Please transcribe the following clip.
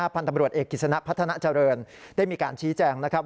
พันธุ์ตำรวจเอกศนพัฒนาเจริญได้มีการชี้แจ้งนะครับ